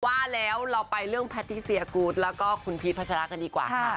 ว่าแล้วเราไปเรื่องแพทติเซียกูธแล้วก็คุณพีชพัชรากันดีกว่าค่ะ